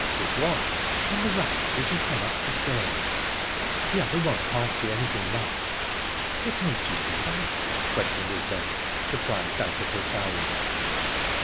"Which one?" "On the right, as you come up the stairs. The other one can't be anything much." "What makes you say that?" questioned Isbel, surprised out of her silence.